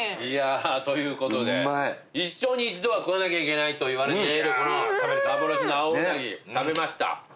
いやということで一生に一度は食わなきゃいけないといわれているこの幻の青ウナギ食べました。